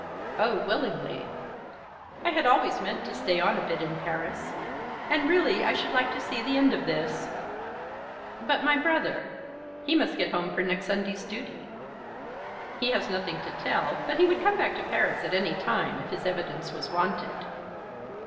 "Oh, willingly. I had always meant to stay on a bit in Paris. And really I should like to see the end of this. But my brother? He must get home for next Sunday's duty. He has nothing to tell, but he would come back to Paris at any time if his evidence was wanted."